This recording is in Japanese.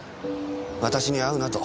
「私に会うな」と。